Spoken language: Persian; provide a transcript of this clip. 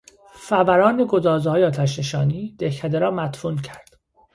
فوران گدازههای آتشفشانی دهکده را مدفون کرد.